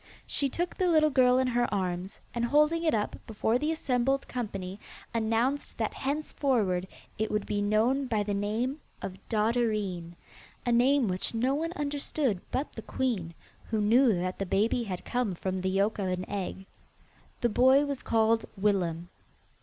She took the little girl in her arms, and holding it up before the assembled company announced that henceforward it would be known by the name of Dotterine a name which no one understood but the queen, who knew that the baby had come from the yolk of an egg. The boy was called Willem.